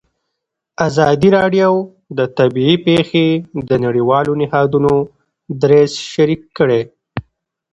ازادي راډیو د طبیعي پېښې د نړیوالو نهادونو دریځ شریک کړی.